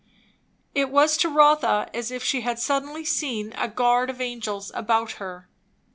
It was to Rotha as if she had suddenly seen a guard of angels about her.